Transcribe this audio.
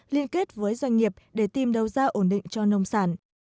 liên kết với doanh nghiệp để tìm đầu ra ổn định cho nông sản